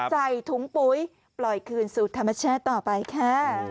ใส่ถุงปุ๋ยปล่อยคืนสู่ธรรมชาติต่อไปค่ะ